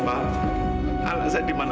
apa yang terjadi di sana